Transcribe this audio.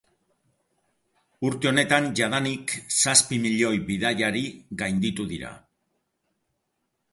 Urte honetan jadanik zazpi milioi bidaiari gainditu dira.